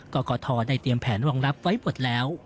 กกทได้เตรียมแผนรองรับไว้หมดแล้ว